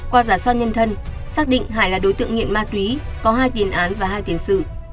qua giả soát nhân thân xác định hải là đối tượng nghiện ma túy có hai tiền án và hai tiền sự